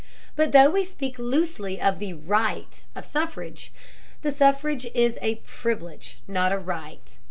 But though we speak loosely of the "right" of suffrage, the suffrage is a privilege, not a right.